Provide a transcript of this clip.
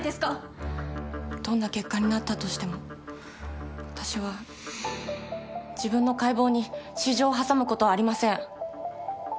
どんな結果になったとしても私は自分の解剖に私情を挟むことはありません。